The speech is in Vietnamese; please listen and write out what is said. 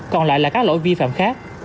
còn lại là các lỗi vi phạm khác